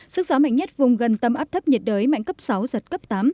sức gió mạnh nhất vùng gần tâm áp thấp nhiệt đới mạnh cấp sáu giật cấp tám